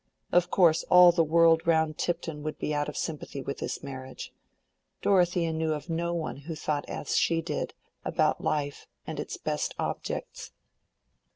Of course all the world round Tipton would be out of sympathy with this marriage. Dorothea knew of no one who thought as she did about life and its best objects.